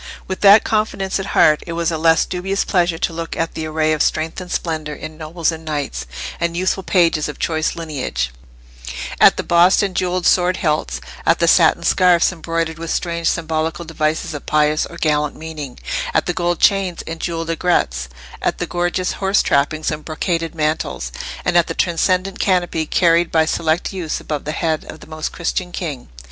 With that confidence at heart it was a less dubious pleasure to look at the array of strength and splendour in nobles and knights, and youthful pages of choice lineage—at the bossed and jewelled sword hilts, at the satin scarfs embroidered with strange symbolical devices of pious or gallant meaning, at the gold chains and jewelled aigrettes, at the gorgeous horse trappings and brocaded mantles, and at the transcendent canopy carried by select youths above the head of the Most Christian King.